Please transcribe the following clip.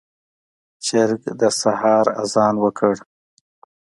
چرګ د سحر اذان وکړ.